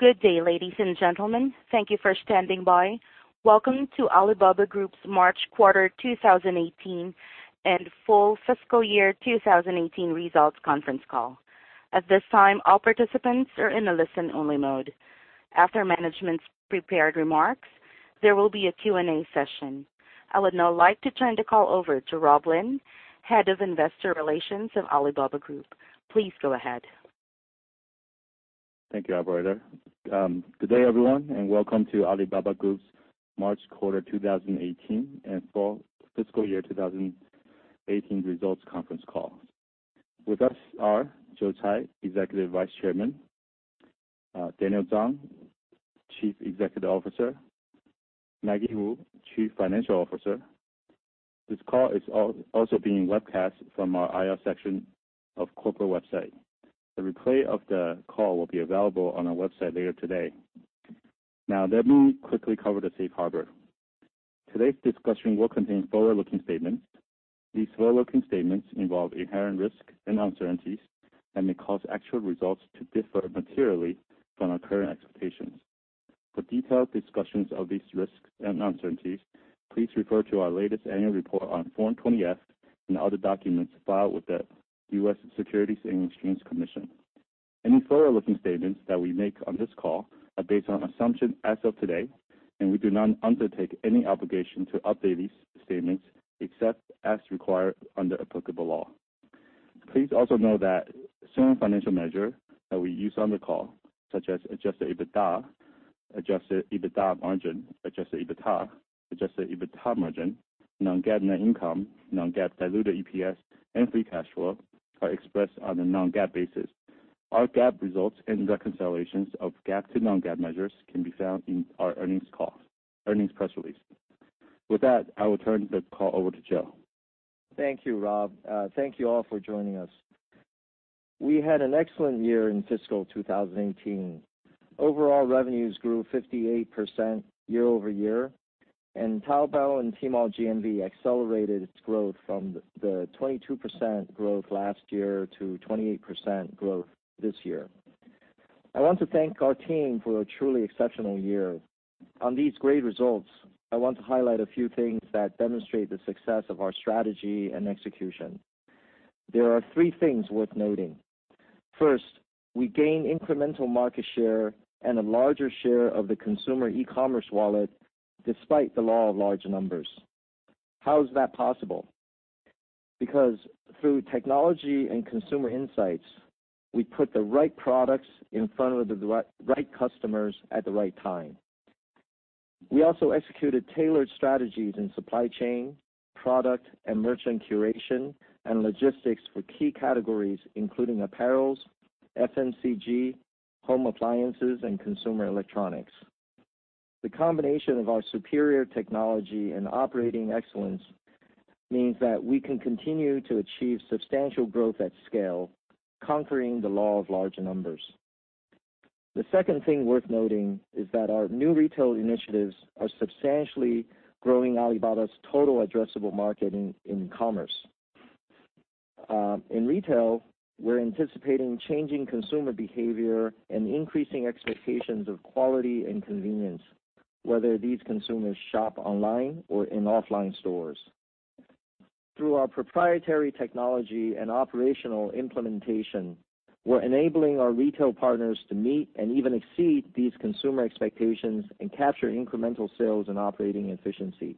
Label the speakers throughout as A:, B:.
A: Good day, ladies and gentlemen. Thank you for standing by. Welcome to Alibaba Group's March quarter 2018 and full fiscal year 2018 results conference call. At this time, all participants are in a listen-only mode. After management's prepared remarks, there will be a Q&A session. I would now like to turn the call over to Rob Lin, Head of Investor Relations of Alibaba Group. Please go ahead.
B: Thank you, operator. Good day, everyone, and welcome to Alibaba Group's March quarter 2018 and full fiscal year 2018 results conference call. With us are Joe Tsai, Executive Vice Chairman, Daniel Zhang, Chief Executive Officer, Maggie Wu, Chief Financial Officer. This call is also being webcast from our IR section of corporate website. The replay of the call will be available on our website later today. Let me quickly cover the safe harbor. Today's discussion will contain forward-looking statements. These forward-looking statements involve inherent risks and uncertainties and may cause actual results to differ materially from our current expectations. For detailed discussions of these risks and uncertainties, please refer to our latest annual report on Form 20-F and other documents filed with the U.S. Securities and Exchange Commission. Any forward-looking statements that we make on this call are based on assumptions as of today. We do not undertake any obligation to update these statements except as required under applicable law. Please also note that certain financial measures that we use on the call, such as adjusted EBITDA, adjusted EBITDA margin, adjusted EBITA, adjusted EBITA margin, non-GAAP net income, non-GAAP diluted EPS, and free cash flow, are expressed on a non-GAAP basis. Our GAAP results and reconciliations of GAAP to non-GAAP measures can be found in our earnings press release. I will turn the call over to Joe.
C: Thank you, Rob. Thank you all for joining us. We had an excellent year in fiscal 2018. Overall revenues grew 58% year-over-year. Taobao and Tmall GMV accelerated its growth from the 22% growth last year to 28% growth this year. I want to thank our team for a truly exceptional year. On these great results, I want to highlight a few things that demonstrate the success of our strategy and execution. There are three things worth noting. First, we gain incremental market share and a larger share of the consumer e-commerce wallet despite the law of large numbers. How is that possible? Through technology and consumer insights, we put the right products in front of the right customers at the right time. We also executed tailored strategies in supply chain, product and merchant curation, and logistics for key categories, including apparels, FMCG, home appliances, and consumer electronics. The combination of our superior technology and operating excellence means that we can continue to achieve substantial growth at scale, conquering the law of large numbers. The second thing worth noting is that our new retail initiatives are substantially growing Alibaba's total addressable market in commerce. In retail, we're anticipating changing consumer behavior and increasing expectations of quality and convenience, whether these consumers shop online or in offline stores. Through our proprietary technology and operational implementation, we're enabling our retail partners to meet and even exceed these consumer expectations and capture incremental sales and operating efficiency.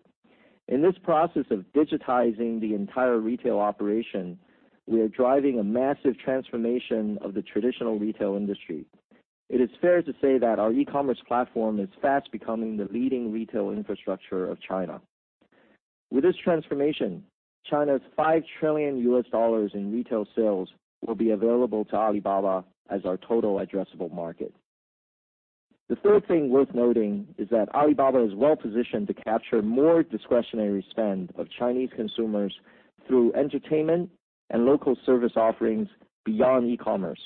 C: In this process of digitizing the entire retail operation, we are driving a massive transformation of the traditional retail industry. It is fair to say that our e-commerce platform is fast becoming the leading retail infrastructure of China. With this transformation, China's $5 trillion U.S. in retail sales will be available to Alibaba as our total addressable market. The third thing worth noting is that Alibaba is well-positioned to capture more discretionary spend of Chinese consumers through entertainment and local service offerings beyond e-commerce.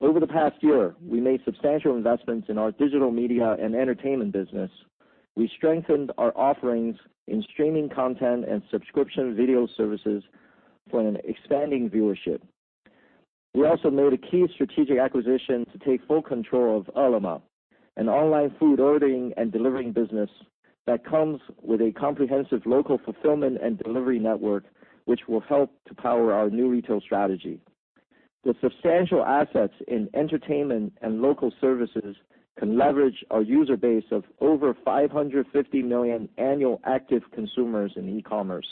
C: Over the past year, we made substantial investments in our digital media and entertainment business. We strengthened our offerings in streaming content and subscription video services for an expanding viewership. We also made a key strategic acquisition to take full control of Ele.me, an online food ordering and delivering business that comes with a comprehensive local fulfillment and delivery network, which will help to power our new retail strategy. The substantial assets in entertainment and local services can leverage our user base of over 550 million annual active consumers in e-commerce.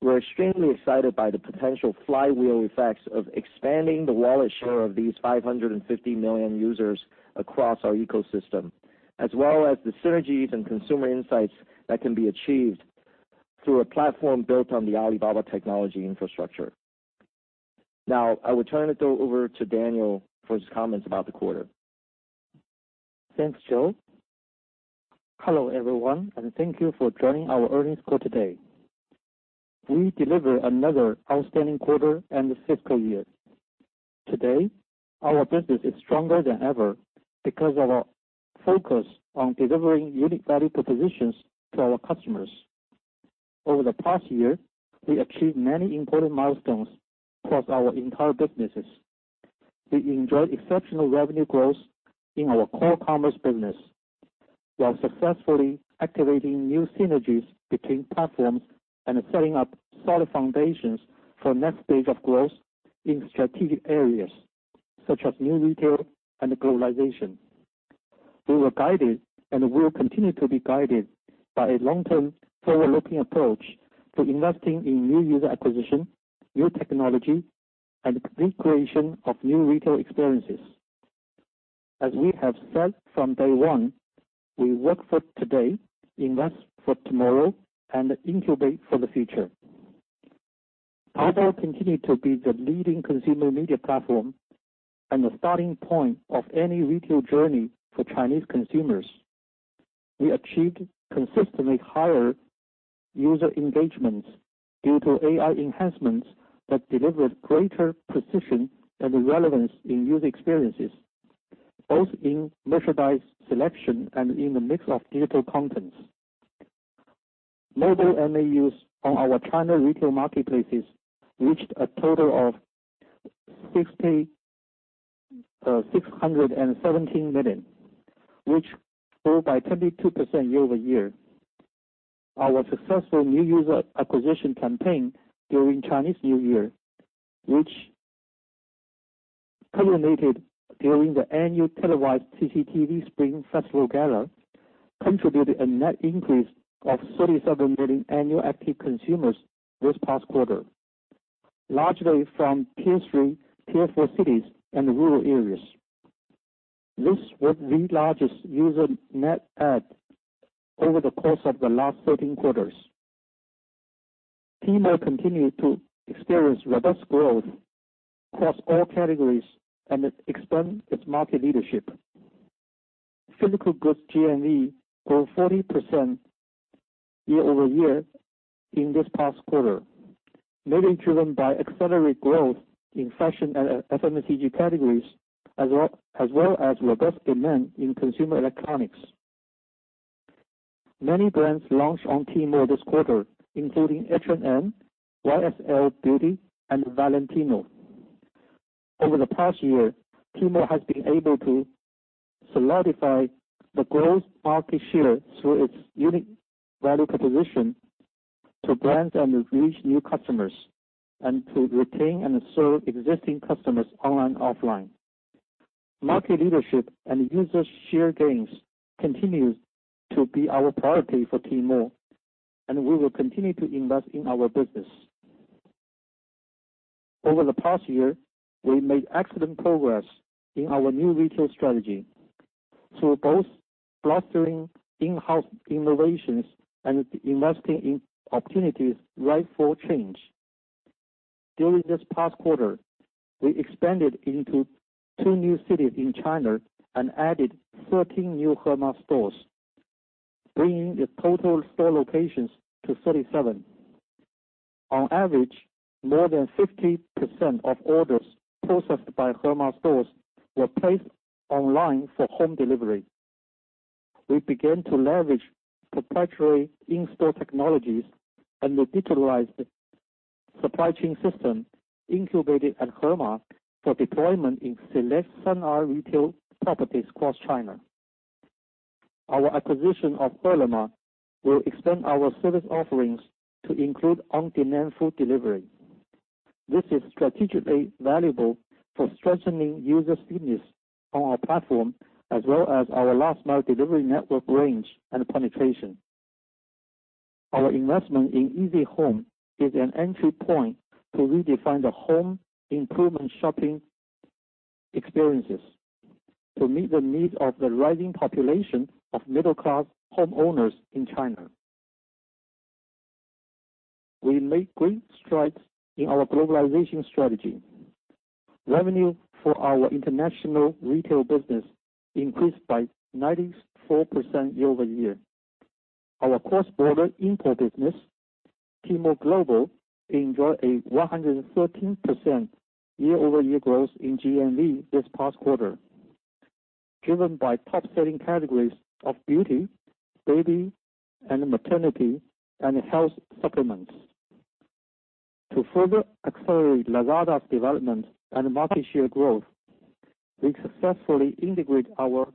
C: We're extremely excited by the potential flywheel effects of expanding the wallet share of these 550 million users across our ecosystem, as well as the synergies and consumer insights that can be achieved through a platform built on the Alibaba technology infrastructure. Now, I would turn it over to Daniel for his comments about the quarter.
D: Thanks, Joe. Hello, everyone, and thank you for joining our earnings call today. We delivered another outstanding quarter and fiscal year. Today, our business is stronger than ever because of our focus on delivering unique value propositions to our customers. Over the past year, we achieved many important milestones across our entire businesses. We enjoyed exceptional revenue growth in our core commerce business while successfully activating new synergies between platforms and setting up solid foundations for the next stage of growth in strategic areas such as new retail and globalization. We were guided and will continue to be guided by a long-term, forward-looking approach to investing in new user acquisition, new technology, and the creation of new retail experiences. As we have said from day one, we work for today, invest for tomorrow, and incubate for the future. Taobao continued to be the leading consumer media platform and the starting point of any retail journey for Chinese consumers. We achieved consistently higher user engagements due to AI enhancements that delivered greater precision and relevance in user experiences, both in merchandise selection and in the mix of digital contents. Mobile MAUs on our China retail marketplaces reached a total of 617 million, which grew by 22% year-over-year. Our successful new user acquisition campaign during Chinese New Year, which culminated during the annual televised CCTV Spring Festival Gala, contributed a net increase of 37 million annual active consumers this past quarter, largely from tier 3, tier 4 cities and rural areas. This was the largest user net add over the course of the last 13 quarters. Tmall continued to experience robust growth across all categories and expand its market leadership. Physical goods GMV grew 40% year-over-year in this past quarter, mainly driven by accelerated growth in fashion and FMCG categories, as well as robust demand in consumer electronics. Many brands launched on Tmall this quarter, including H&M, YSL Beauty, and Valentino. Over the past year, Tmall has been able to solidify the growth market share through its unique value proposition to brands and reach new customers, and to retain and serve existing customers online, offline. Market leadership and user share gains continue to be our priority for Tmall, and we will continue to invest in our business. Over the past year, we made excellent progress in our new retail strategy through both fostering in-house innovations and investing in opportunities ripe for change. During this past quarter, we expanded into two new cities in China and added 13 new Hema stores, bringing the total store locations to 37. On average, more than 50% of orders processed by Hema stores were placed online for home delivery. We began to leverage proprietary in-store technologies and the digitalized supply chain system incubated at Hema for deployment in select Sun Art Retail properties across China. Our acquisition of Ele.me will extend our service offerings to include on-demand food delivery. This is strategically valuable for strengthening user stickiness on our platform as well as our last-mile delivery network range and penetration. Our investment in Easyhome is an entry point to redefine the home improvement shopping experiences to meet the needs of the rising population of middle-class homeowners in China. We made great strides in our globalization strategy. Revenue for our international retail business increased by 94% year-over-year. Our cross-border import business, Tmall Global, enjoyed a 113% year-over-year growth in GMV this past quarter, driven by top-selling categories of beauty, baby and maternity, and health supplements. To further accelerate Lazada's development and market share growth, we successfully integrated our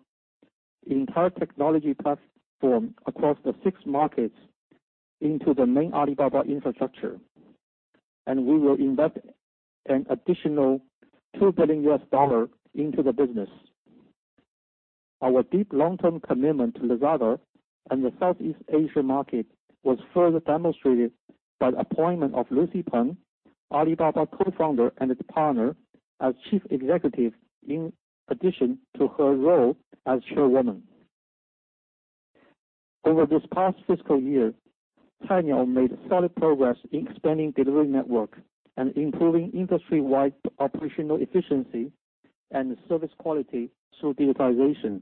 D: entire technology platform across the six markets into the main Alibaba infrastructure, and we will invest an additional RMB 2 billion into the business. Our deep long-term commitment to Lazada and the Southeast Asia market was further demonstrated by the appointment of Lucy Peng, Alibaba co-founder and partner, as chief executive in addition to her role as chairwoman. Over this past fiscal year, Cainiao made solid progress in expanding delivery network and improving industry-wide operational efficiency and service quality through digitization.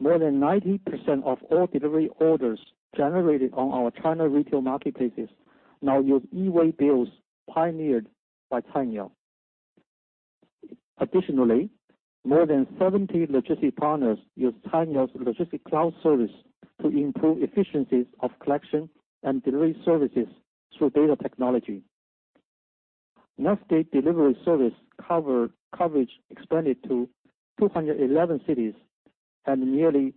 D: More than 90% of all delivery orders generated on our China retail marketplaces now use e-waybills pioneered by Cainiao. Additionally, more than 70 logistics partners use Cainiao's logistics cloud service to improve efficiencies of collection and delivery services through data technology. Next day delivery service coverage expanded to 211 cities and nearly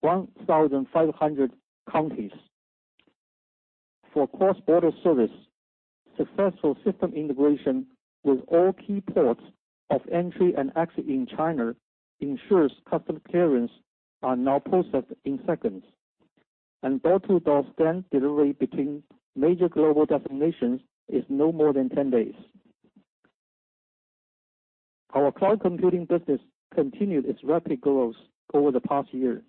D: 1,500 counties. For cross-border service, successful system integration with all key ports of entry and exit in China ensures customs clearance are now processed in seconds. Door-to-door scan delivery between major global destinations is no more than 10 days. Our cloud computing business continued its rapid growth over the past year.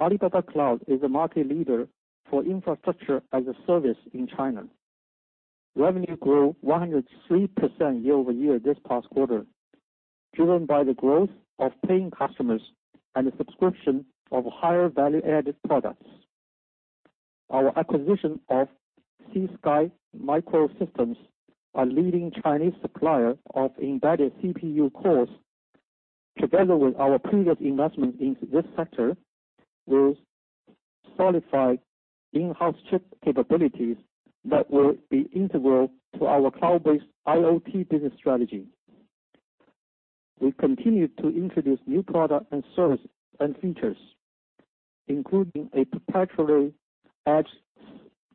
D: Alibaba Cloud is a market leader for Infrastructure-as-a-Service in China. Revenue grew 103% year-over-year this past quarter, driven by the growth of paying customers and the subscription of higher value-added products. Our acquisition of C-SKY Microsystems, a leading Chinese supplier of embedded CPU cores, together with our previous investment into this sector, will solidify in-house chip capabilities that will be integral to our cloud-based IoT business strategy. We continue to introduce new product and service, and features, including a perpetual edge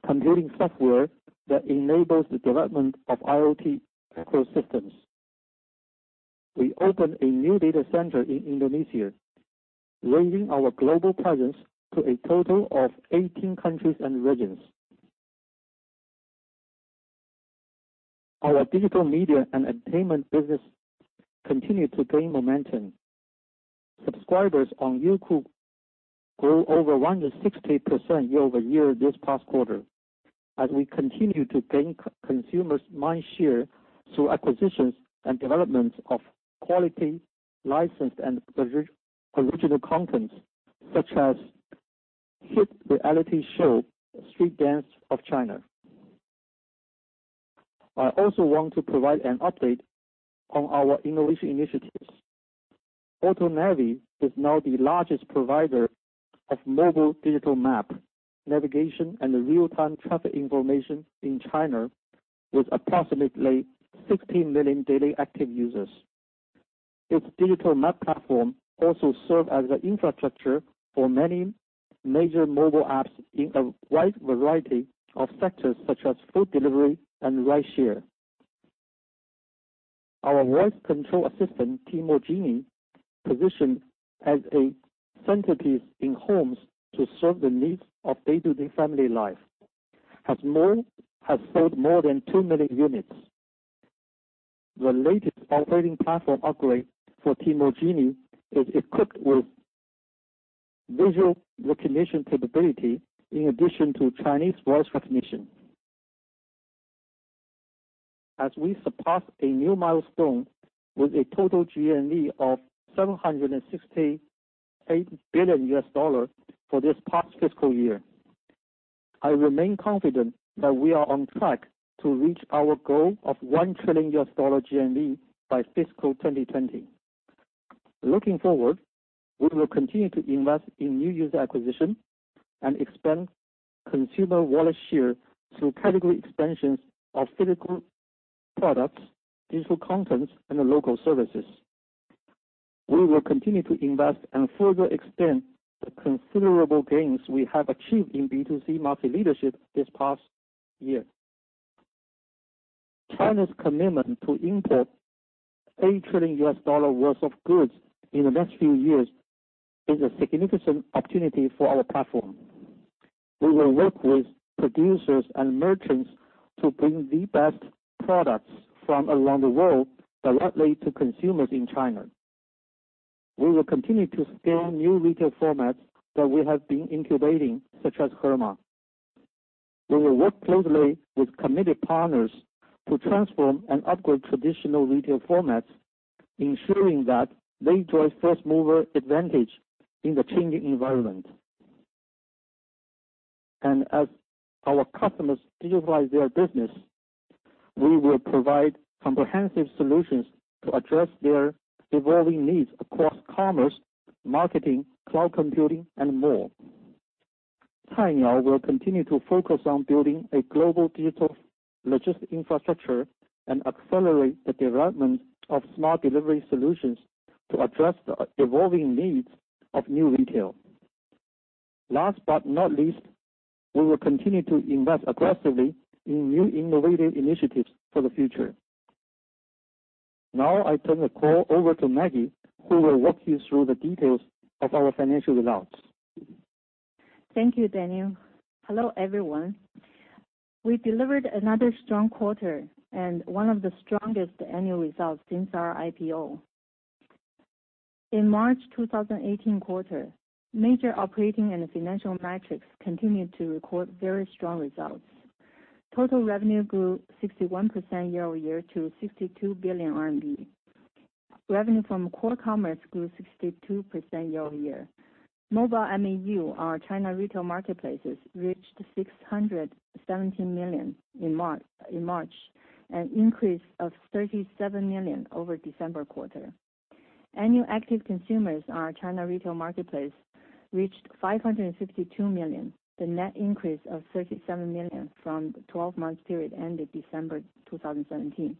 D: computing software that enables the development of IoT ecosystems. We opened a new data center in Indonesia, raising our global presence to a total of 18 countries and regions. Our digital media and entertainment business continued to gain momentum. Subscribers on Youku grew over 160% year-over-year this past quarter, as we continue to gain consumers' mind share through acquisitions and developments of quality licensed and original content, such as hit reality show, "Street Dance of China." I also want to provide an update on our innovation initiatives. AutoNavi is now the largest provider of mobile digital map, navigation, and real-time traffic information in China, with approximately 16 million daily active users. Its digital map platform also serves as an infrastructure for many major mobile apps in a wide variety of sectors such as food delivery and rideshare. Our voice control assistant, Tmall Genie, positioned as a centerpiece in homes to serve the needs of day-to-day family life, has sold more than two million units. The latest operating platform upgrade for Tmall Genie is equipped with visual recognition capability, in addition to Chinese voice recognition. As we surpass a new milestone with a total GMV of $768 billion for this past fiscal year, I remain confident that we are on track to reach our goal of $1 trillion GMV by fiscal 2020. Looking forward, we will continue to invest in new user acquisition and expand consumer wallet share through category expansions of physical products, digital content, and local services. We will continue to invest and further expand the considerable gains we have achieved in B2C market leadership this past year. China's commitment to import $8 trillion worth of goods in the next few years is a significant opportunity for our platform. We will work with producers and merchants to bring the best products from around the world directly to consumers in China. We will continue to scale new retail formats that we have been incubating, such as Hema. We will work closely with committed partners to transform and upgrade traditional retail formats, ensuring that they enjoy first-mover advantage in the changing environment. As our customers digitalize their business, we will provide comprehensive solutions to address their evolving needs across commerce, marketing, cloud computing, and more. Cainiao will continue to focus on building a global digital logistic infrastructure and accelerate the development of smart delivery solutions to address the evolving needs of New Retail. Last but not least, we will continue to invest aggressively in new innovative initiatives for the future. Now, I turn the call over to Maggie, who will walk you through the details of our financial results.
E: Thank you, Daniel. Hello, everyone. We delivered another strong quarter and one of the strongest annual results since our IPO. In March 2018 quarter, major operating and financial metrics continued to record very strong results. Total revenue grew 61% year-over-year to 62 billion RMB. Revenue from core commerce grew 62% year-over-year. Mobile MAU, our China retail marketplaces reached 617 million in March, an increase of 37 million over December quarter. Annual active consumers on our China retail marketplace reached 562 million. The net increase of 37 million from the 12-month period ended December 2017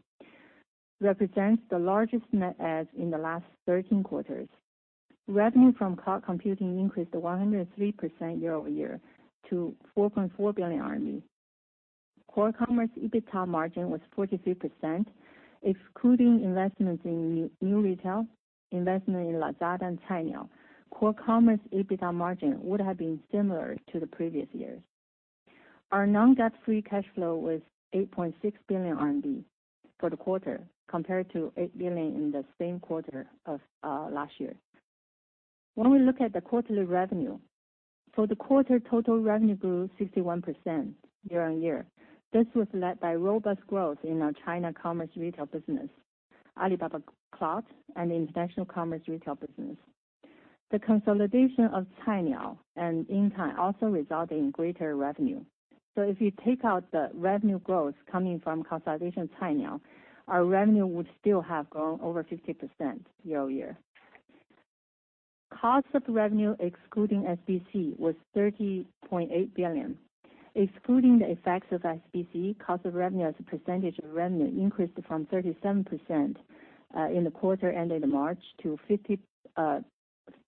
E: represents the largest net add in the last 13 quarters. Revenue from cloud computing increased 103% year-over-year to 4.4 billion RMB. Core commerce EBITDA margin was 43%, excluding investments in New Retail, investment in Lazada and Cainiao, core commerce EBITDA margin would have been similar to the previous years. Our non-GAAP free cash flow was 8.6 billion RMB for the quarter compared to 8 billion in the same quarter of last year. When we look at the quarterly revenue. For the quarter, total revenue grew 61% year-on-year. This was led by robust growth in our China commerce retail business, Alibaba Cloud, and the international commerce retail business. The consolidation of Cainiao and Intime also resulted in greater revenue. If you take out the revenue growth coming from consolidation of Cainiao, our revenue would still have grown over 50% year-over-year. Cost of revenue, excluding SBC, was 30.8 billion. Excluding the effects of SBC, cost of revenue as a percentage of revenue increased from 37% in the quarter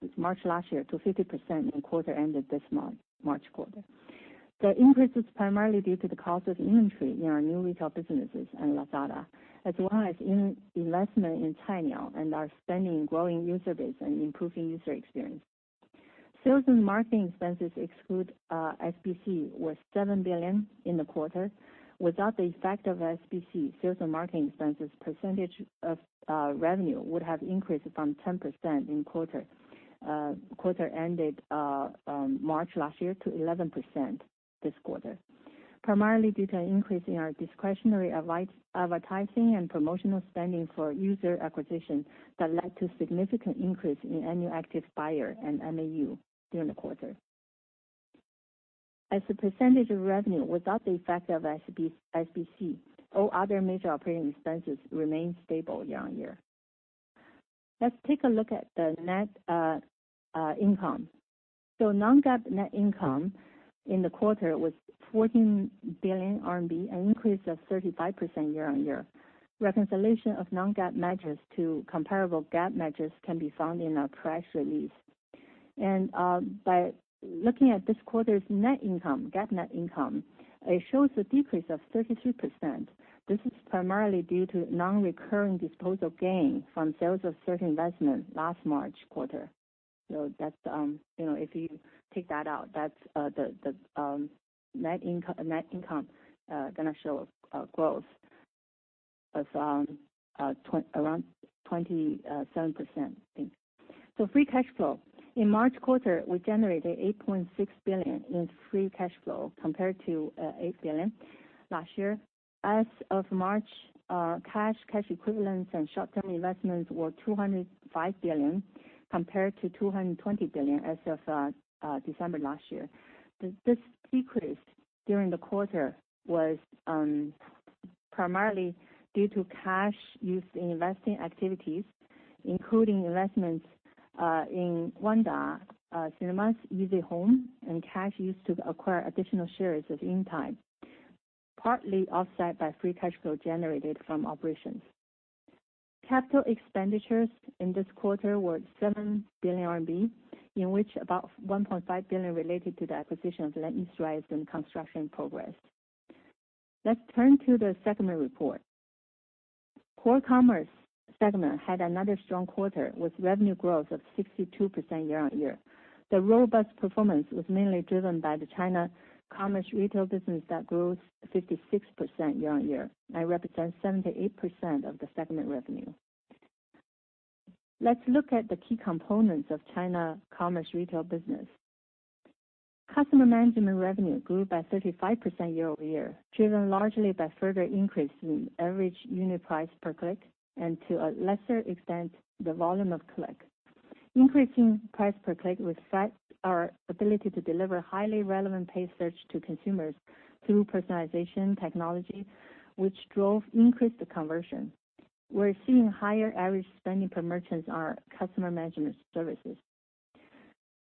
E: ended March last year to 50% in quarter ended this March quarter. The increase is primarily due to the cost of inventory in our New Retail businesses and Lazada, as well as investment in Cainiao and our spending in growing user base and improving user experience. Sales and marketing expenses exclude SBC, were 7 billion in the quarter. Without the effect of SBC, sales and marketing expenses percentage of revenue would have increased from 10% in quarter ended March last year to 11% this quarter, primarily due to an increase in our discretionary advertising and promotional spending for user acquisition that led to a significant increase in annual active buyer and MAU during the quarter. As a percentage of revenue, without the effect of SBC, all other major operating expenses remained stable year-on-year. Let's take a look at the net income. Non-GAAP net income in the quarter was 14 billion RMB, an increase of 35% year-on-year. Reconciliation of non-GAAP measures to comparable GAAP measures can be found in our press release. By looking at this quarter's net income, GAAP net income, it shows a decrease of 33%. This is primarily due to non-recurring disposal gain from sales of certain investment last March quarter. If you take that out, the net income going to show a growth of around 27%, I think. Free cash flow. In March quarter, we generated 8.6 billion in free cash flow compared to 8 billion last year. As of March, cash equivalents, and short-term investments were 205 billion compared to 220 billion as of December last year. This decrease during the quarter was primarily due to cash used in investing activities, including investments in Wanda Cinemas, Easyhome, and cash used to acquire additional shares of Intime, partly offset by free cash flow generated from operations. Capital expenditures in this quarter were 7 billion RMB, in which about 1.5 billion related to the acquisition of [Lan 易瑞 滋] and construction progress. Let's turn to the segment report. Core commerce segment had another strong quarter with revenue growth of 62% year-on-year. The robust performance was mainly driven by the China commerce retail business that grew 56% year-on-year and represents 78% of the segment revenue. Let's look at the key components of China commerce retail business. Customer management revenue grew by 35% year-over-year, driven largely by further increase in average unit price per click, and to a lesser extent, the volume of click. Increasing price per click reflects our ability to deliver highly relevant paid search to consumers through personalization technology, which drove increased conversion. We're seeing higher average spending per merchant on our customer management services.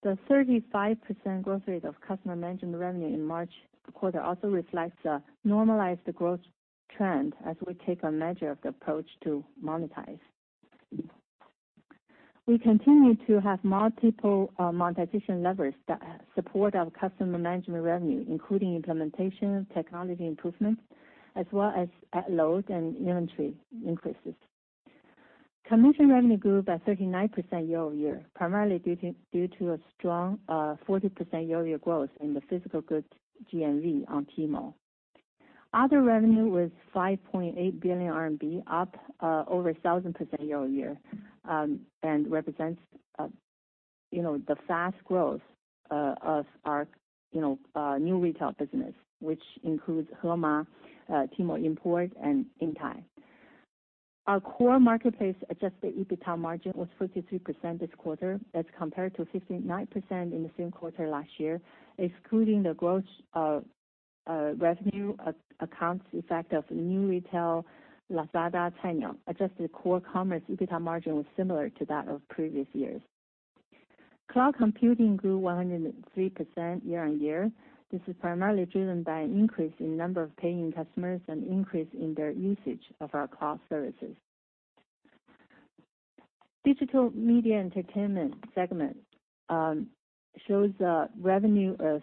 E: The 35% growth rate of customer management revenue in March quarter also reflects a normalized growth trend as we take a measured approach to monetize. We continue to have multiple monetization levers that support our customer management revenue, including implementation, technology improvements, as well as ad load and inventory increases. Commission revenue grew by 39% year-over-year, primarily due to a strong 40% year-over-year growth in the physical goods GMV on Tmall. Other revenue was 5.8 billion RMB, up over 1,000% year-over-year, and represents the fast growth of our new retail business, which includes Hema, Tmall Import, and Intime. Our core marketplace adjusted EBITDA margin was 43% this quarter as compared to 59% in the same quarter last year. Excluding the gross revenue accounts effect of new retail, Lazada, Cainiao, adjusted core commerce EBITDA margin was similar to that of previous years. Cloud computing grew 103% year-on-year. This is primarily driven by an increase in number of paying customers and increase in their usage of our cloud services. Digital media entertainment segment shows a revenue of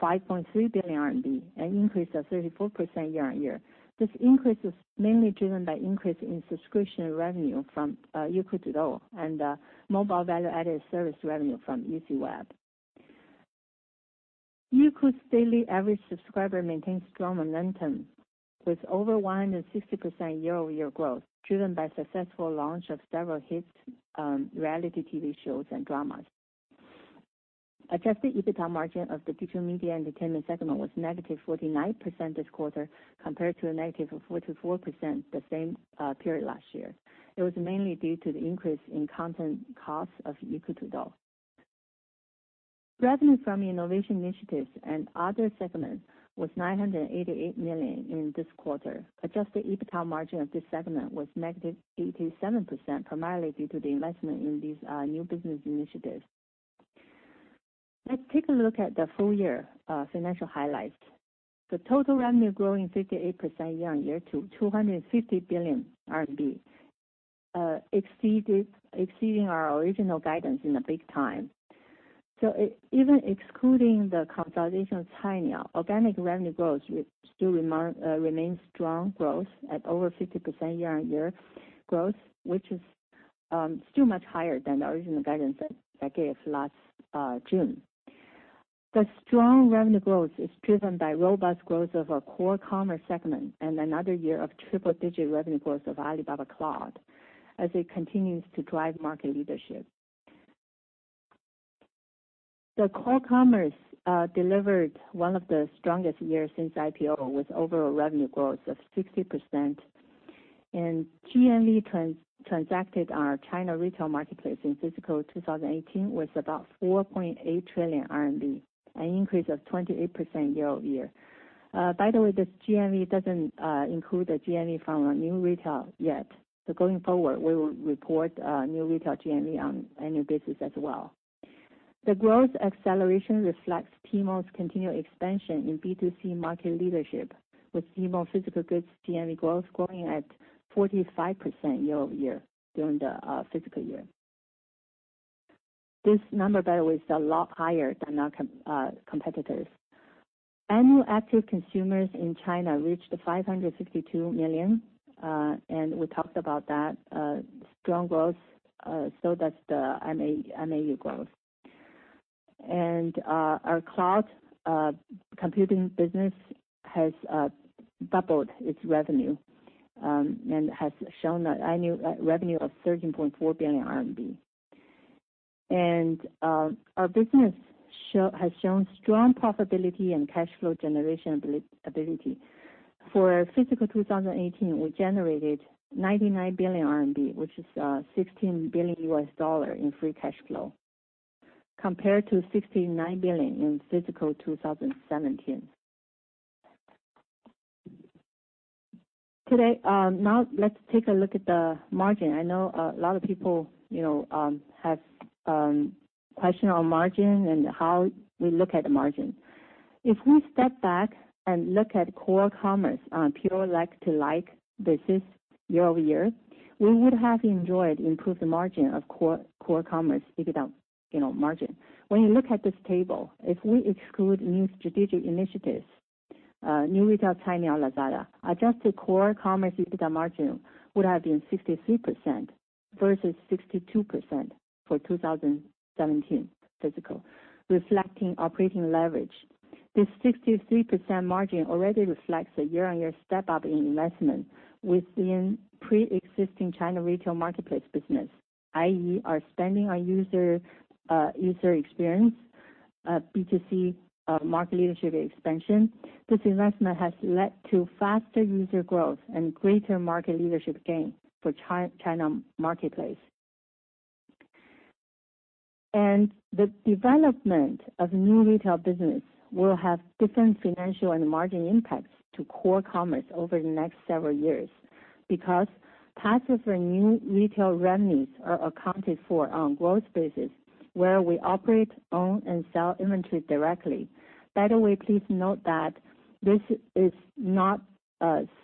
E: 5.3 billion RMB, an increase of 34% year-on-year. This increase was mainly driven by increase in subscription revenue from Youku Tudou and mobile value-added service revenue from UCWeb. Youku's daily average subscriber maintains strong momentum, with over 160% year-over-year growth, driven by successful launch of several hit reality TV shows and dramas. Adjusted EBITDA margin of the digital media entertainment segment was -49% this quarter, compared to -44% the same period last year. It was mainly due to the increase in content costs of Youku Tudou. Revenue from innovation initiatives and other segments was 988 million in this quarter. Adjusted EBITDA margin of this segment was -87%, primarily due to the investment in these new business initiatives. Let's take a look at the full year financial highlights. The total revenue growing 58% year-over-year to 250 billion RMB, exceeding our original guidance in a big time. Even excluding the consolidation of Cainiao, organic revenue growth still remains strong growth at over 50% year-over-year growth, which is still much higher than the original guidance that I gave last June. The strong revenue growth is driven by robust growth of our core commerce segment and another year of triple-digit revenue growth of Alibaba Cloud as it continues to drive market leadership. The core commerce delivered one of the strongest years since IPO with overall revenue growth of 60%, and GMV transacted our China retail marketplace in fiscal 2018 was about 4.8 trillion RMB, an increase of 28% year-over-year. By the way, this GMV doesn't include the GMV from our new retail yet. Going forward, we will report new retail GMV on annual basis as well. The growth acceleration reflects Tmall's continued expansion in B2C market leadership with Tmall physical goods GMV growth growing at 45% year-over-year during the fiscal year. This number, by the way, is a lot higher than our competitors. Annual active consumers in China reached 562 million, and we talked about that strong growth. Does the MAU growth. Our cloud computing business has doubled its revenue and has shown an annual revenue of 13.4 billion RMB. Our business has shown strong profitability and cash flow generation ability. For fiscal 2018, we generated 99 billion RMB, which is $16 billion in free cash flow, compared to 69 billion RMB in fiscal 2017. Today, now let's take a look at the margin. I know a lot of people have question on margin and how we look at the margin. If we step back and look at core commerce on pure like to like basis year-over-year, we would have enjoyed improved margin of core commerce EBITDA margin. When you look at this table, if we exclude new strategic initiatives, new retail, Cainiao, Lazada, adjusted core commerce EBITDA margin would have been 63% versus 62% for fiscal 2017, reflecting operating leverage. This 63% margin already reflects a year-over-year step-up in investment within preexisting China retail marketplace business, i.e., our spending on user experience, B2C market leadership expansion. This investment has led to faster user growth and greater market leadership gain for China marketplace. The development of new retail business will have different financial and margin impacts to core commerce over the next several years because parts of our new retail revenues are accounted for on growth basis where we operate, own, and sell inventory directly. By the way, please note that this is not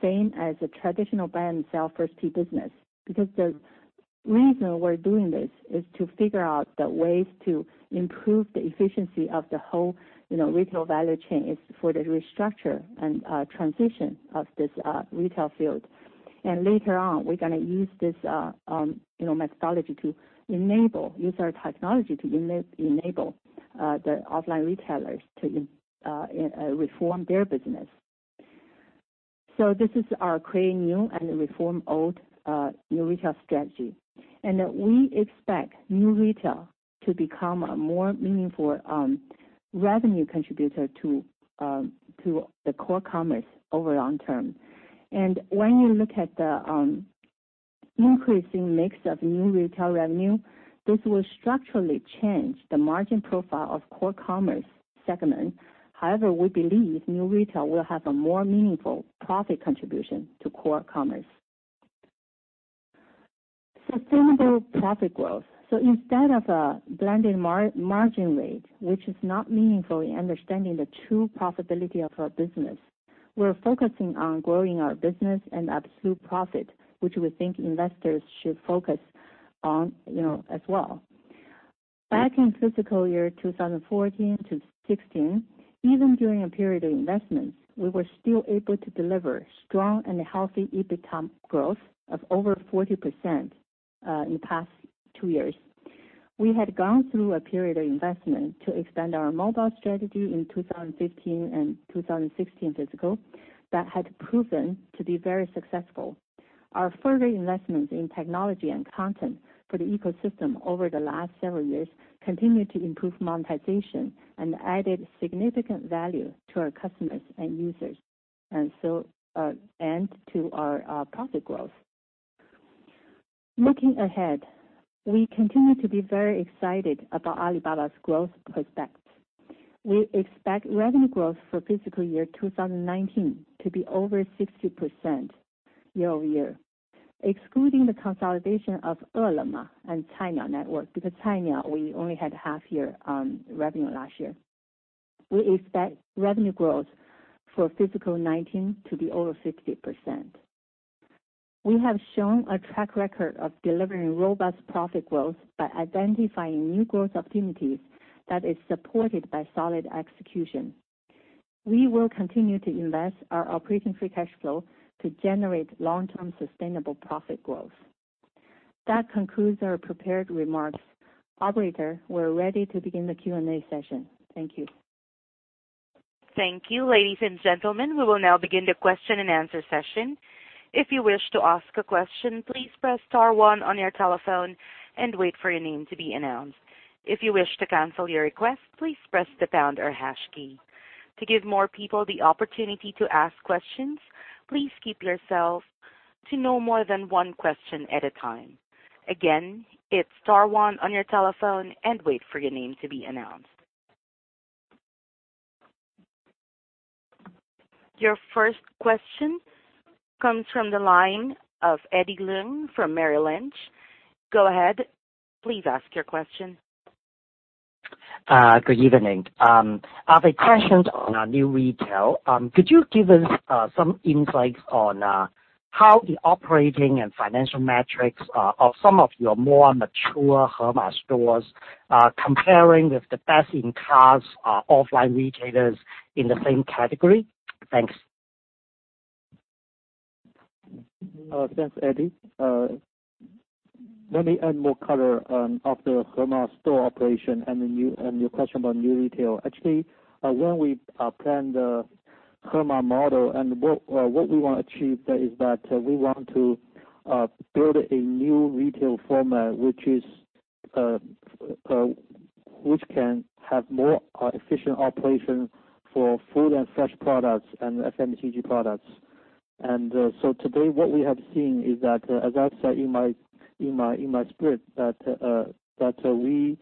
E: same as a traditional buy and sell first-party business because the reason we're doing this is to figure out the ways to improve the efficiency of the whole retail value chain for the restructure and transition of this retail field. Later on, we're going to use this methodology to enable user technology to enable the offline retailers to reform their business. This is our create new and reform old new retail strategy. We expect new retail to become a more meaningful revenue contributor to the core commerce over long term. When you look at the increasing mix of new retail revenue, this will structurally change the margin profile of core commerce segment. However, we believe new retail will have a more meaningful profit contribution to core commerce. Sustainable profit growth. Instead of a blended margin rate, which is not meaningfully understanding the true profitability of our business, we're focusing on growing our business and absolute profit, which we think investors should focus on as well. Back in fiscal year 2014 to 2016, even during a period of investments, we were still able to deliver strong and healthy EBIT growth of over 40% in the past two years. We had gone through a period of investment to expand our mobile strategy in 2015 and 2016 fiscal that had proven to be very successful. Our further investments in technology and content for the ecosystem over the last several years continue to improve monetization and added significant value to our customers and users. To our profit growth. Looking ahead, we continue to be very excited about Alibaba's growth prospects. We expect revenue growth for fiscal year 2019 to be over 60% year-over-year, excluding the consolidation of Ele.me and Cainiao Network, because Cainiao, we only had half-year revenue last year. We expect revenue growth for fiscal 2019 to be over 60%. We have shown a track record of delivering robust profit growth by identifying new growth opportunities that is supported by solid execution. We will continue to invest our operating free cash flow to generate long-term sustainable profit growth. That concludes our prepared remarks. Operator, we're ready to begin the Q&A session. Thank you.
A: Thank you. Ladies and gentlemen, we will now begin the question and answer session. If you wish to ask a question, please press star one on your telephone and wait for your name to be announced. If you wish to cancel your request, please press the pound or hash key. To give more people the opportunity to ask questions, please keep yourselves to no more than one question at a time. Again, it's star one on your telephone and wait for your name to be announced. Your first question comes from the line of Eddie Leung from Merrill Lynch. Go ahead, please ask your question.
F: Good evening. I have a question on new retail. Could you give us some insights on how the operating and financial metrics of some of your more mature Hema stores are comparing with the best-in-class offline retailers in the same category? Thanks.
E: Thanks, Eddie. Let me add more color on the Hema store operation and your question about new retail. Actually, when we planned the Hema model and what we want to achieve there is that we want to build a new retail format which can have more efficient operation for food and fresh products and FMCG products. Today, what we have seen is that, as I said in my script, that we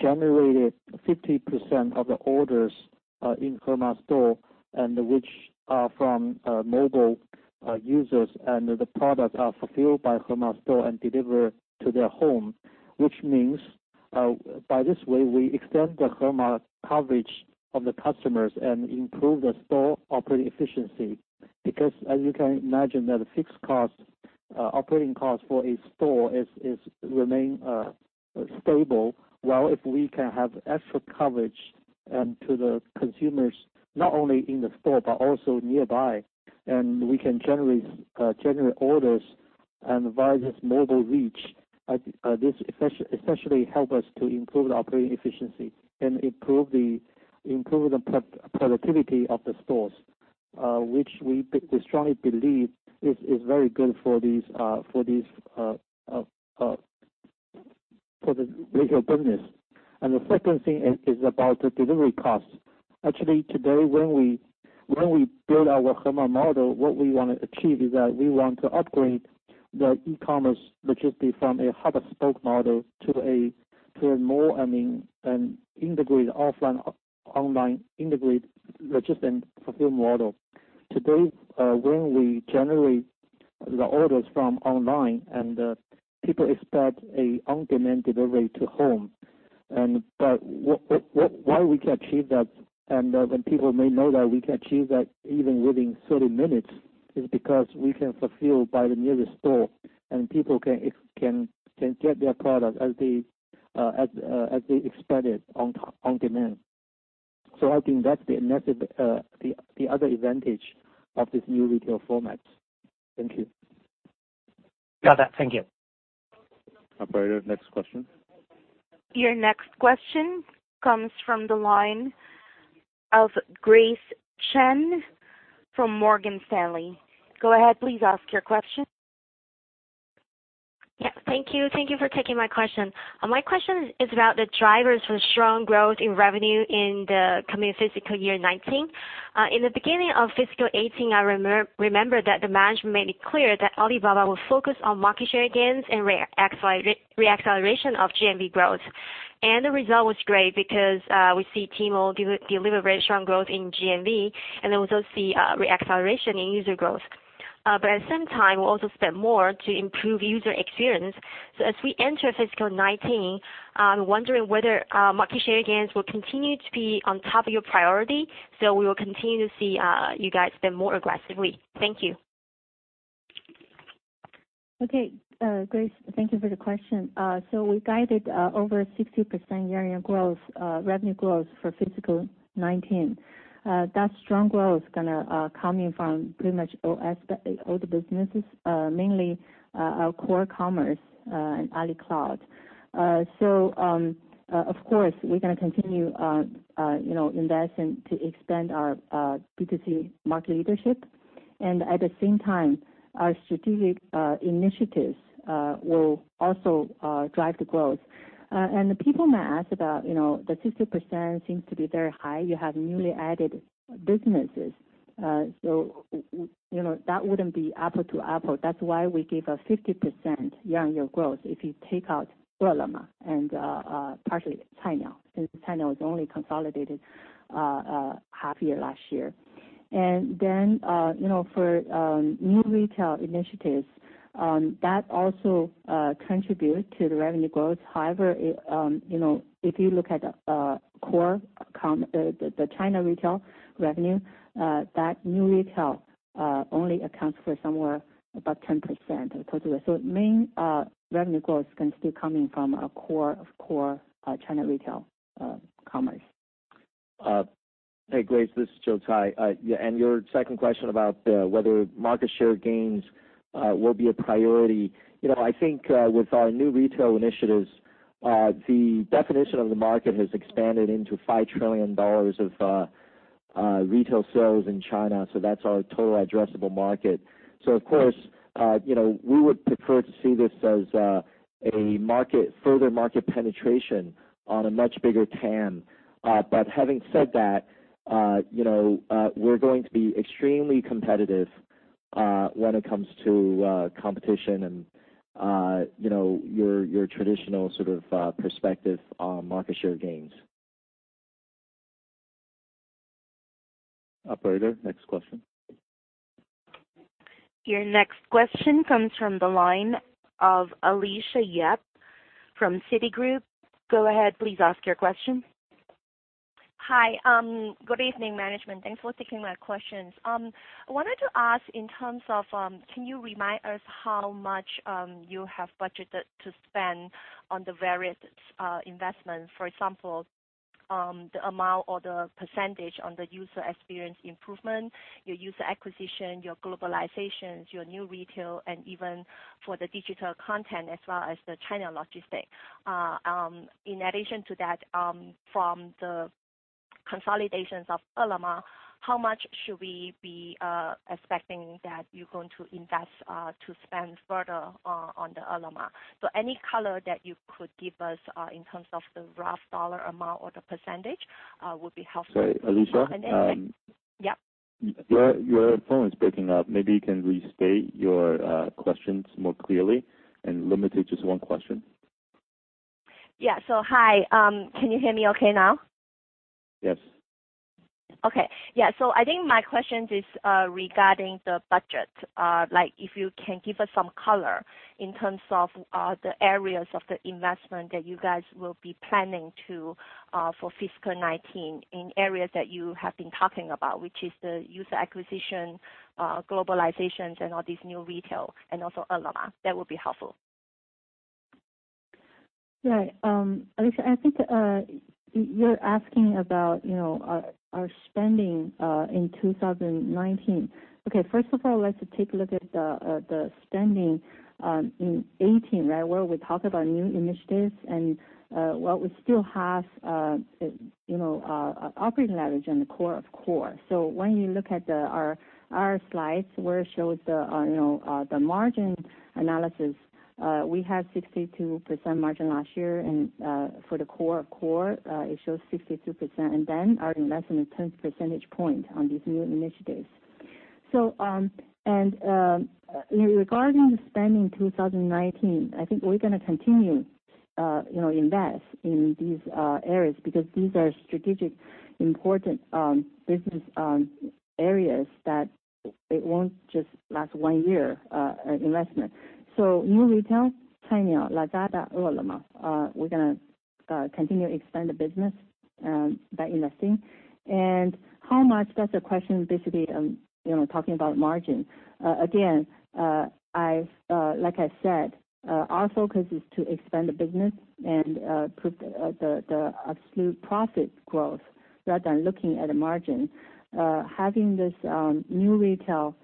E: generated 50% of the orders in Hema store and which are from mobile users and the products are fulfilled by Hema store and delivered to their home, which means, by this way, we extend the Hema coverage of the customers and improve the store operating efficiency. Because as you can imagine, the fixed operating cost for a store remain stable. While if we can have extra coverage to the consumers, not only in the store but also nearby, we can generate orders via this mobile reach, this essentially help us to improve the operating efficiency and improve the productivity of the stores, which we strongly believe is very good for the retail business. The second thing is about the delivery cost. Actually, today, when we build our Hema model, what we want to achieve is that we want to upgrade the e-commerce logistics from a hub and spoke model to a more integrated offline, online integrated logistics and fulfill model. Today, when we generate the orders from online and people expect an on-demand delivery to home. Why we can achieve that, and when people may know that we can achieve that even within 30 minutes, is because we can fulfill by the nearest store, and people can get their product as they expected on demand. I think that's the other advantage of this new retail format. Thank you.
F: Got that. Thank you.
B: Operator, next question.
A: Your next question comes from the line of Grace Chen from Morgan Stanley. Go ahead, please ask your question.
G: Yeah. Thank you. Thank you for taking my question. My question is about the drivers for strong growth in revenue in the coming fiscal year 2019. In the beginning of fiscal 2018, I remember that the management made it clear that Alibaba will focus on market share gains and reacceleration of GMV growth. The result was great because we see Tmall deliver very strong growth in GMV. We also see reacceleration in user growth. At the same time, we also spend more to improve user experience. As we enter fiscal 2019, I'm wondering whether market share gains will continue to be on top of your priority, so we will continue to see you guys spend more aggressively. Thank you.
E: Okay. Grace, thank you for the question. We guided over 60% year-on-year revenue growth for fiscal 2019. That strong growth is going to come in from pretty much all the businesses, mainly our core commerce, and AliCloud. Of course, we're going to continue investing to expand our B2C market leadership. At the same time, our strategic initiatives will also drive the growth. The people might ask about the 50% seems to be very high. You have newly added businesses. That wouldn't be apple to apple. That's why we gave a 50% year-on-year growth if you take out Ele.me and partially Cainiao, since Cainiao was only consolidated half year last year. Then for new retail initiatives, that also contributes to the revenue growth. However, if you look at the China retail revenue, that new retail only accounts for somewhere about 10% of the total. The main revenue growth is going to still be coming from our core of core China retail commerce.
C: Hey, Grace, this is Joe Tsai. Your second question about whether market share gains will be a priority. I think with our New Retail initiatives, the definition of the market has expanded into RMB 5 trillion of retail sales in China, that's our total addressable market. Of course, we would prefer to see this as a further market penetration on a much bigger TAM. Having said that, we're going to be extremely competitive when it comes to competition and your traditional sort of perspective on market share gains.
B: Operator, next question.
A: Your next question comes from the line of Alicia Yap from Citigroup. Go ahead, please ask your question.
H: Hi. Good evening, management. Thanks for taking my questions. I wanted to ask in terms of can you remind us how much you have budgeted to spend on the various investments? For example, the amount or the percentage on the user experience improvement, your user acquisition, your globalizations, your New Retail, and even for the digital content as well as the China logistic. In addition to that, from the consolidations of Ele.me, how much should we be expecting that you're going to invest to spend further on the Ele.me? Any color that you could give us in terms of the rough dollar amount or the percentage would be helpful.
B: Sorry, Alicia.
H: Yep.
B: Your phone is breaking up. Maybe you can restate your questions more clearly and limit it to just one question.
H: Yeah. Hi. Can you hear me okay now?
B: Yes.
H: Okay. Yeah. I think my question is regarding the budget. If you can give us some color in terms of the areas of the investment that you guys will be planning for fiscal 2019 in areas that you have been talking about, which is the user acquisition, globalizations, and all these new retail, and also Ele.me. That would be helpful.
E: Right. Alicia, I think you're asking about our spending in 2019. First of all, let's take a look at the spending in 2018, where we talked about new initiatives and what we still have operating leverage in the core of core. When you look at our slides where it shows the margin analysis, we had 62% margin last year, and for the core of core, it shows 62%. Our investment is 10 percentage point on these new initiatives. Regarding the spending in 2019, I think we're going to continue to invest in these areas because these are strategic important business areas that it won't just last one year investment. New retail, Cainiao, Lazada, Ele.me, we're going to continue to expand the business by investing. How much? That's a question basically talking about margin. Again, like I said, our focus is to expand the business and put the absolute profit growth rather than looking at the margin. Having this new retail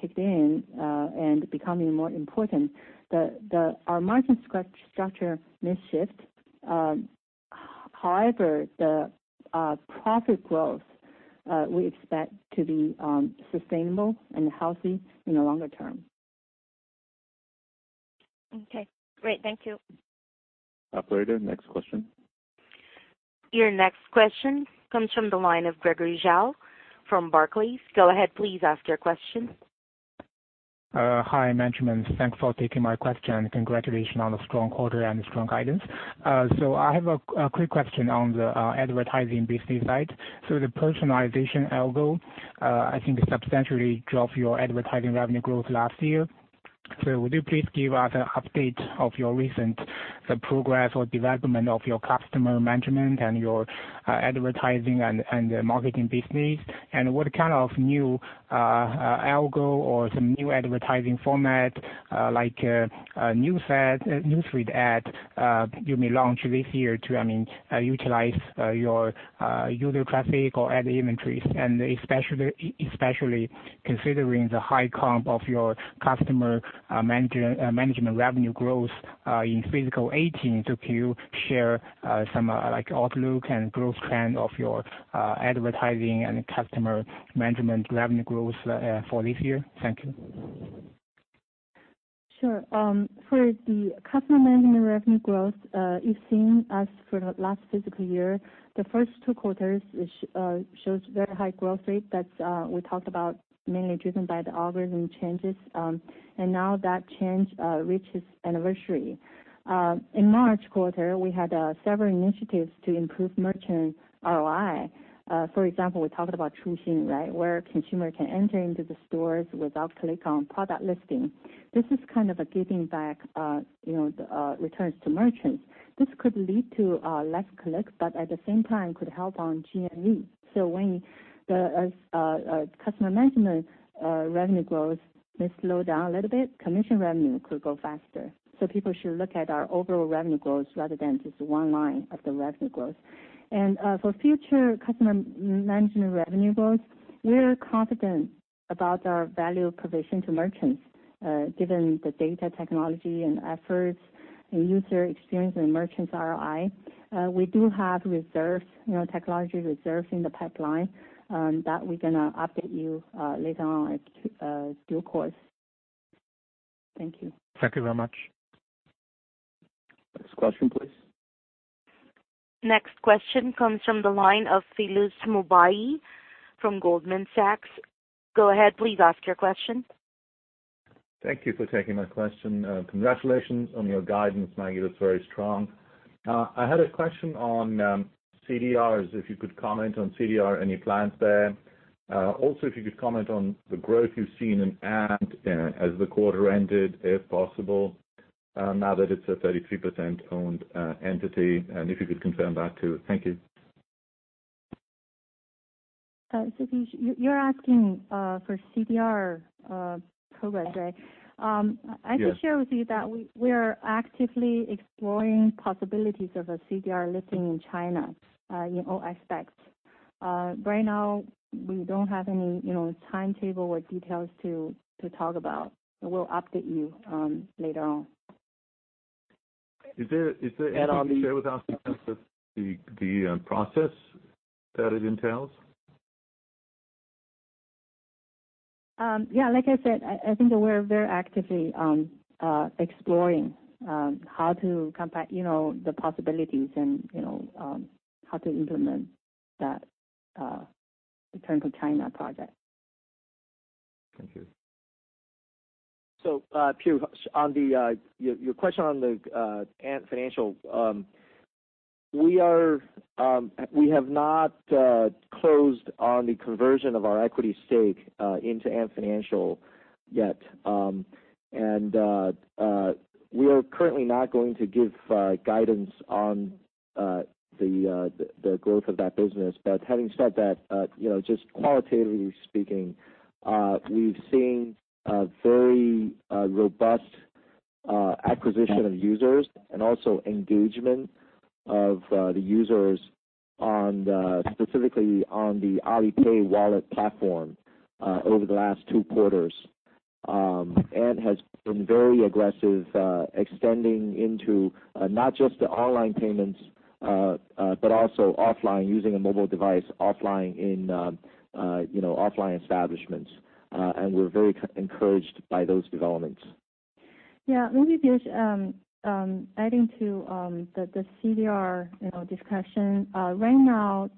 E: kicked in and becoming more important, our margin structure may shift. However, the profit growth, we expect to be sustainable and healthy in the longer term.
H: Okay, great. Thank you.
B: Operator, next question.
A: Your next question comes from the line of Gregory Zhao from Barclays. Go ahead, please ask your question.
I: Hi, management. Thanks for taking my question. Congratulations on a strong quarter and strong guidance. I have a quick question on the advertising business side. The personalization algo, I think, substantially dropped your advertising revenue growth last year. Would you please give us an update of your recent progress or development of your customer management and your advertising and the marketing business? What kind of new algo or some new advertising format, like newsfeed ad, you may launch this year to utilize your user traffic or ad inventories, and especially considering the high comp of your customer management revenue growth in fiscal 2018. Could you share some outlook and growth plan of your advertising and customer management revenue growth for this year? Thank you.
E: Sure. For the customer management revenue growth, you've seen as for the last fiscal year, the first two quarters shows very high growth rate that we talked about, mainly driven by the algorithm changes. Now that change reached its anniversary. In March quarter, we had several initiatives to improve merchant ROI. For example, we talked about Chuxing, right? Where consumer can enter into the stores without click on product listing. This is kind of a giving back returns to merchants. This could lead to less clicks, but at the same time, could help on GMV. When the customer management revenue growth may slow down a little bit, commission revenue could go faster. People should look at our overall revenue growth rather than just one line of the revenue growth. For future customer management revenue growth, we are confident about our value proposition to merchants, given the data technology and efforts in user experience and merchants ROI. We do have reserves, technology reserves in the pipeline that we're going to update you later on our due course. Thank you.
I: Thank you very much.
B: Next question, please.
A: Next question comes from the line of Piyush Mubayi from Goldman Sachs. Go ahead, please ask your question.
J: Thank you for taking my question. Congratulations on your guidance, Maggie. It's very strong. I had a question on CDRs, if you could comment on CDR, any plans there. Also, if you could comment on the growth you've seen in Ant as the quarter ended, if possible, now that it's a 33%-owned entity, and if you could confirm that too. Thank you.
E: Piyush, you're asking for CDR progress, right?
J: Yes.
E: I can share with you that we are actively exploring possibilities of a CDR listing in China in all aspects. Right now, we don't have any timetable or details to talk about, but we'll update you later on.
J: Is there anything you can share with us in terms of the process that it entails?
E: Yeah, like I said, I think that we're very actively exploring the possibilities and how to implement that return to China project.
J: Thank you.
C: Piyush, your question on the Ant Financial. We have not closed on the conversion of our equity stake into Ant Financial yet. We are currently not going to give guidance on the growth of that business. Having said that, just qualitatively speaking, we've seen a very robust acquisition of users and also engagement of the users specifically on the Alipay wallet platform over the last two quarters. Ant has been very aggressive extending into not just the online payments, but also offline, using a mobile device offline in offline establishments. We're very encouraged by those developments.
E: Maybe just adding to the CDR discussion. Right now,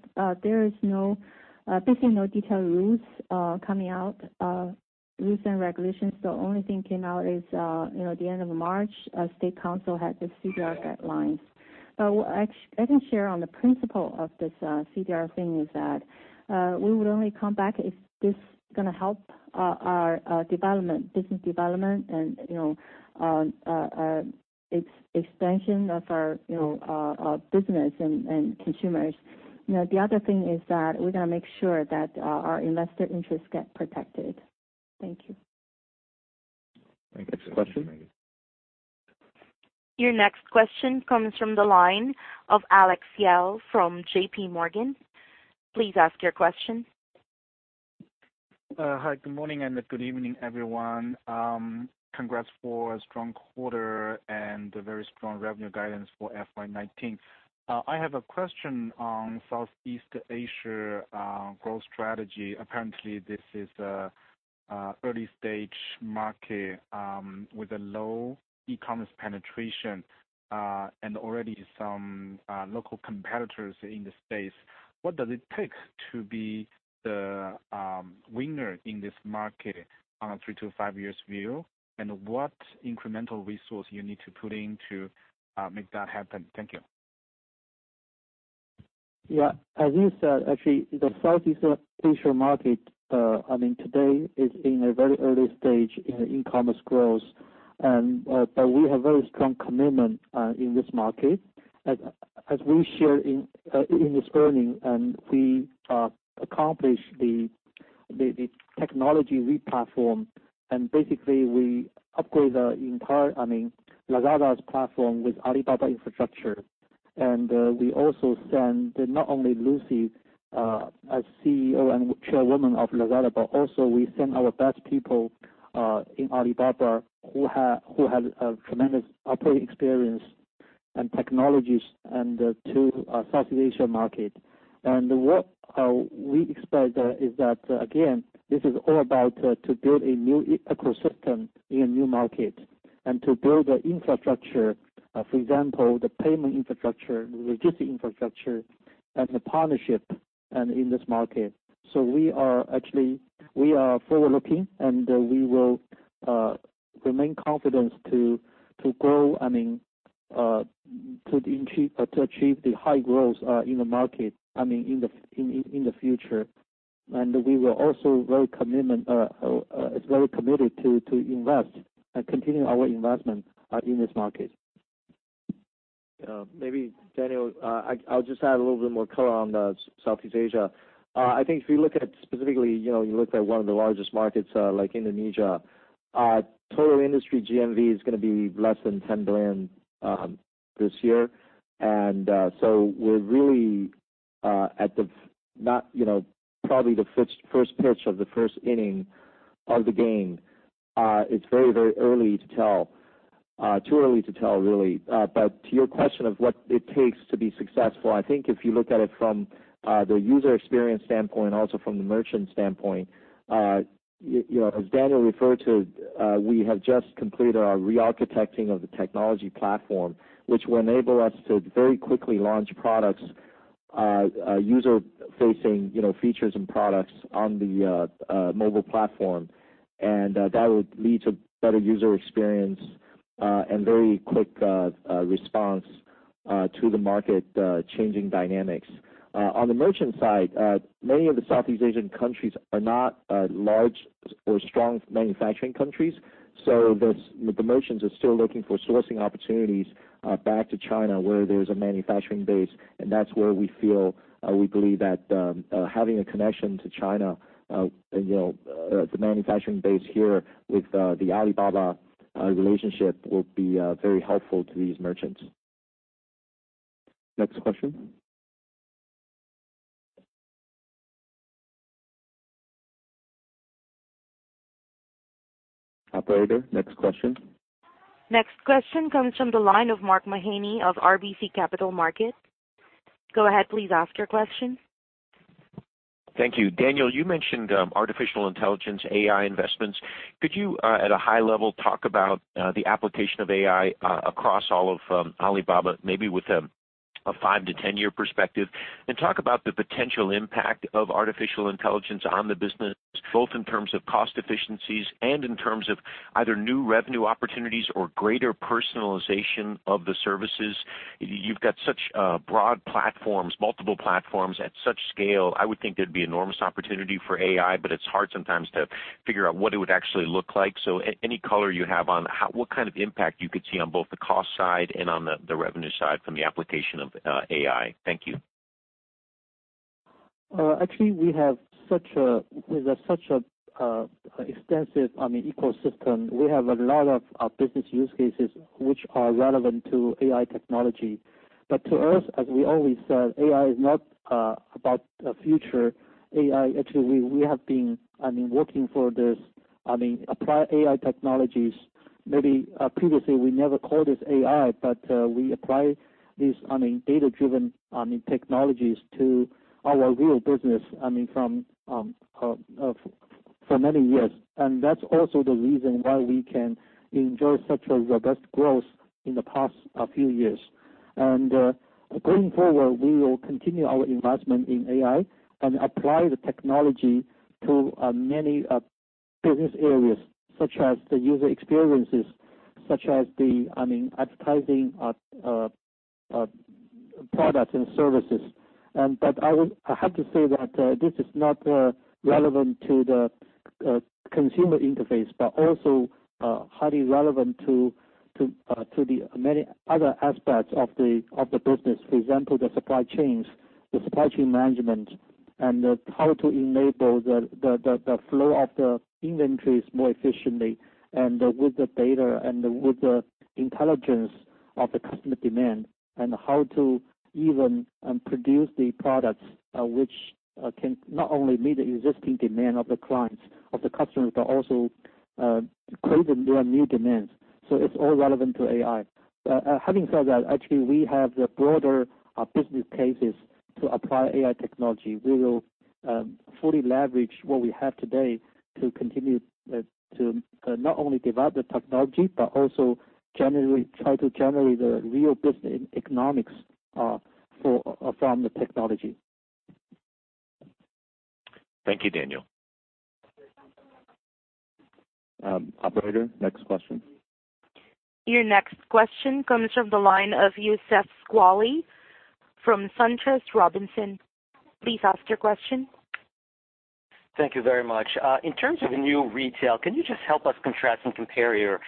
E: there is basically no detailed rules coming out, rules and regulations. The only thing came out is the end of March, State Council had the CDR guidelines. I can share on the principle of this CDR thing is that we would only come back if this is going to help our business development and expansion of our business and consumers. The other thing is that we're going to make sure that our investor interests get protected. Thank you.
J: Thank you.
B: Next question.
A: Your next question comes from the line of Alex Yao from J.P. Morgan. Please ask your question.
K: Hi, good morning and good evening, everyone. Congrats for a strong quarter and a very strong revenue guidance for FY 2019. I have a question on Southeast Asia growth strategy. Apparently, this is early stage market with a low e-commerce penetration, and already some local competitors in the space. What does it take to be the winner in this market on a three to five years view? What incremental resource you need to put in to make that happen? Thank you.
D: Yeah. As you said, actually, the Southeast Asia market today is in a very early stage in e-commerce growth. We have very strong commitment in this market. As we shared in this earnings, and we accomplished the technology re-platform, and basically we upgrade Lazada's platform with Alibaba infrastructure. We also send not only Lucy as CEO and Chairwoman of Lazada, but also we send our best people in Alibaba who have tremendous operating experience and technologies to Southeast Asia market. What we expect is that, again, this is all about to build a new ecosystem in a new market and to build the infrastructure, for example, the payment infrastructure, logistics infrastructure, and the partnership in this market. We are forward-looking, and we will remain confident to grow, to achieve the high growth in the market in the future. We are also very committed to invest and continue our investment in this market.
C: Maybe Daniel, I'll just add a little bit more color on the Southeast Asia. I think if you look at specifically, you looked at one of the largest markets like Indonesia, total industry GMV is going to be less than 10 billion this year. We're really at the first pitch of the first inning of the game. It's very early to tell. Too early to tell, really. To your question of what it takes to be successful, I think if you look at it from the user experience standpoint, also from the merchant standpoint, as Daniel referred to, we have just completed our re-architecting of the technology platform, which will enable us to very quickly launch user-facing features and products on the mobile platform. That would lead to better user experience, and very quick response to the market changing dynamics. On the merchant side, many of the Southeast Asian countries are not large or strong manufacturing countries. The merchants are still looking for sourcing opportunities back to China where there's a manufacturing base. That's where we feel, we believe that having a connection to China, the manufacturing base here with the Alibaba relationship will be very helpful to these merchants.
B: Next question. Operator, next question.
A: Next question comes from the line of Mark Mahaney of RBC Capital Markets. Go ahead, please ask your question.
L: Thank you. Daniel, you mentioned artificial intelligence, AI investments. Could you at a high level talk about the application of AI across all of Alibaba, maybe with a five to 10-year perspective, and talk about the potential impact of artificial intelligence on the business, both in terms of cost efficiencies and in terms of either new revenue opportunities or greater personalization of the services? You've got such broad platforms, multiple platforms at such scale. I would think there'd be enormous opportunity for AI, but it's hard sometimes to figure out what it would actually look like. Any color you have on what kind of impact you could see on both the cost side and on the revenue side from the application of AI. Thank you.
D: Actually, we have such extensive ecosystem. We have a lot of business use cases which are relevant to AI technology. To us, as we always said, AI is not about future. AI, actually, we have been working for this apply AI technologies. Maybe previously we never call this AI, but we apply these data-driven technologies to our real business for many years. That's also the reason why we can enjoy such a robust growth in the past few years. Going forward, we will continue our investment in AI and apply the technology to many business areas, such as the user experiences, such as the advertising products and services. I have to say that this is not relevant to the consumer interface, but also highly relevant to the many other aspects of the business. For example, the supply chains, the supply chain management how to enable the flow of the inventories more efficiently. With the data and with the intelligence of the customer demand and how to even produce the products, which can not only meet the existing demand of the clients, of the customers, but also create their new demands. It's all relevant to AI. Having said that, actually, we have the broader business cases to apply AI technology. We will fully leverage what we have today to continue to not only develop the technology but also try to generate the real business economics from the technology.
C: Thank you, Daniel. Operator, next question.
A: Your next question comes from the line of Youssef Squali from SunTrust Robinson Humphrey. Please ask your question.
M: Thank you very much. In terms of the new retail, can you just help us contrast and compare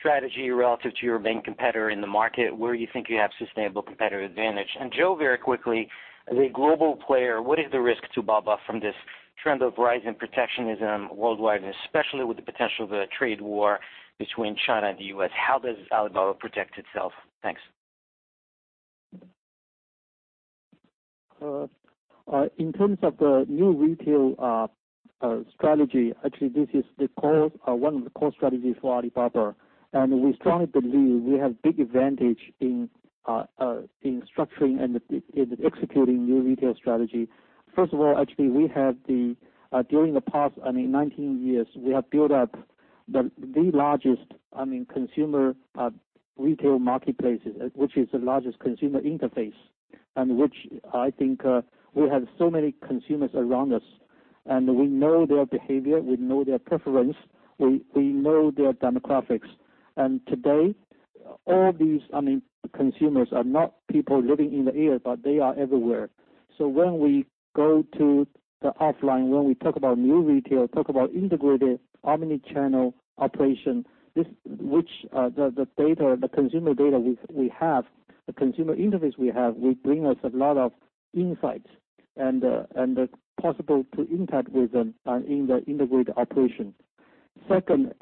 M: your strategy relative to your main competitor in the market, where you think you have sustainable competitive advantage? Joe, very quickly, as a global player, what is the risk to Baba from this trend of rise in protectionism worldwide, and especially with the potential of a trade war between China and the U.S.? How does Alibaba protect itself? Thanks.
D: In terms of the new retail strategy, actually, this is one of the core strategies for Alibaba. We strongly believe we have big advantage in structuring and in executing new retail strategy. First of all, actually, during the past 19 years, we have built up the largest consumer retail marketplaces, which is the largest consumer interface, and which I think we have so many consumers around us, and we know their behavior, we know their preference, we know their demographics. Today, all these consumers are not people living in the air, but they are everywhere. When we go to the offline, when we talk about new retail, talk about integrated omni-channel operation, the consumer data we have, the consumer interface we have will bring us a lot of insights and the possible to interact with them in the integrated operation. Second,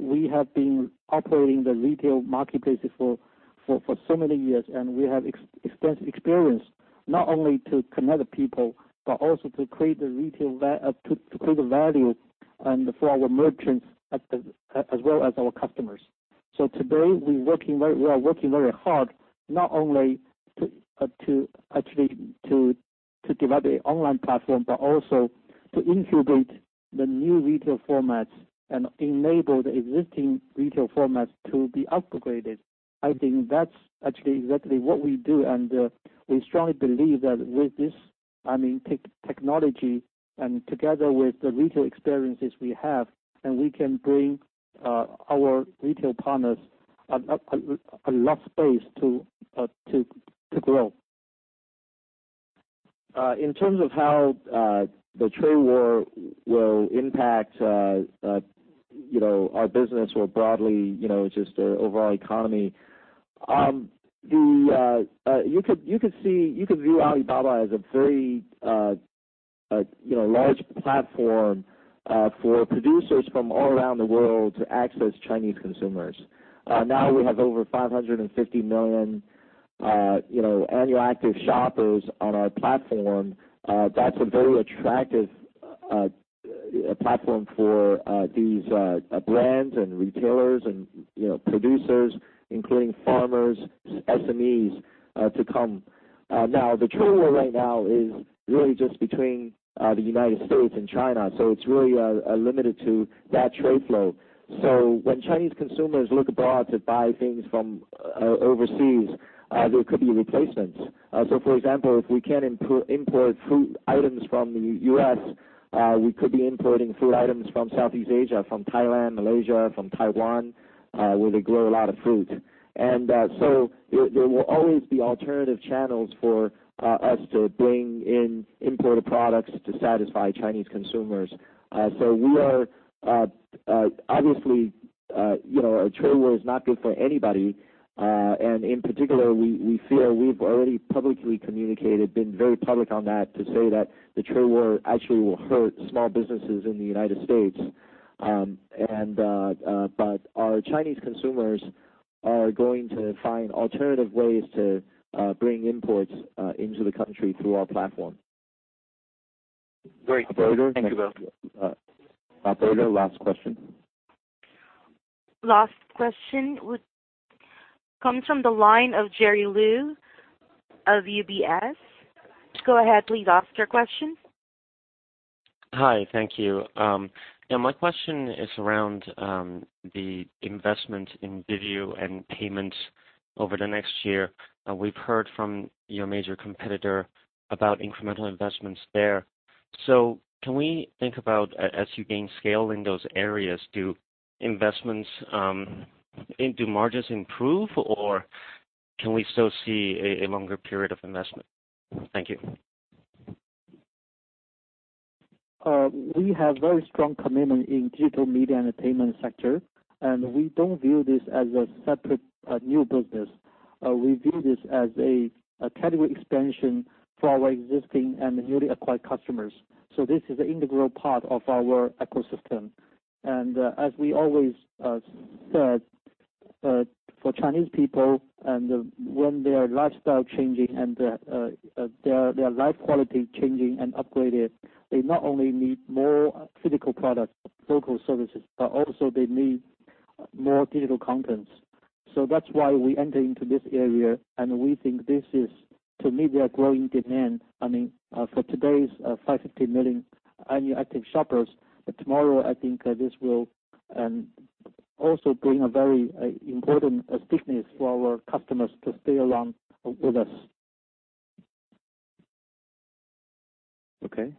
D: we have been operating the retail marketplace for so many years, and we have extensive experience not only to connect people but also to create value for our merchants as well as our customers. Today, we are working very hard not only actually to develop the online platform, but also to incubate the new retail formats and enable the existing retail formats to be upgraded. I think that's actually exactly what we do. We strongly believe that with this technology, together with the retail experiences we have, we can bring our retail partners a lot of space to grow.
C: In terms of how the trade war will impact our business more broadly, just the overall economy. You could view Alibaba as a very large platform for producers from all around the world to access Chinese consumers. We have over 550 million annual active shoppers on our platform. That's a very attractive platform for these brands and retailers and producers, including farmers, SMEs to come. The trade war right now is really just between the U.S. and China, so it's really limited to that trade flow. When Chinese consumers look abroad to buy things from overseas, there could be replacements. For example, if we can't import food items from the U.S., we could be importing food items from Southeast Asia, from Thailand, Malaysia, from Taiwan, where they grow a lot of fruit. There will always be alternative channels for us to bring in imported products to satisfy Chinese consumers. Obviously, a trade war is not good for anybody. In particular, we feel we've already publicly communicated, been very public on that, to say that the trade war actually will hurt small businesses in the U.S. Our Chinese consumers are going to find alternative ways to bring imports into the country through our platform.
M: Great. Thank you both.
C: Operator, last question.
A: Last question comes from the line of Jerry Liu of UBS. Go ahead, please ask your question.
N: Hi. Thank you. My question is around the investment in video and payments over the next year. We've heard from your major competitor about incremental investments there. Can we think about, as you gain scale in those areas, do margins improve, or can we still see a longer period of investment? Thank you.
D: We have very strong commitment in digital media entertainment sector. We don't view this as a separate new business. We view this as a category expansion for our existing and newly acquired customers. This is an integral part of our ecosystem. As we always said, for Chinese people, when their lifestyle changing and their life quality changing and upgraded, they not only need more physical products, local services, but also they need more digital contents. That's why we enter into this area, and we think this is to meet their growing demand. For today's 550 million annual active shoppers, tomorrow, I think this will also bring a very important stickiness for our customers to stay along with us.
C: Okay.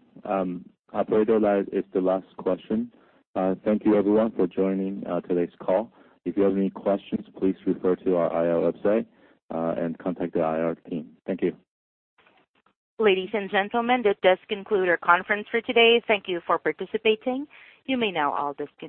C: Operator, that is the last question. Thank you everyone for joining today's call. If you have any questions, please refer to our IR website and contact the IR team. Thank you.
A: Ladies and gentlemen, this does conclude our conference for today. Thank you for participating. You may now all disconnect.